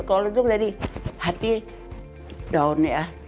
kalau itu mulai hati down ya